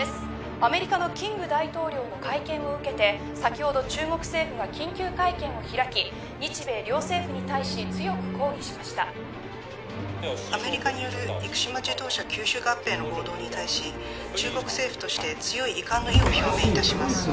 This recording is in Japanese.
アメリカのキング大統領の会見を受けて先ほど中国政府が緊急会見を開き日米両政府に対し強く抗議しましたアメリカによる生島自動車吸収合併の報道に対し中国政府として強い遺憾の意を表明いたします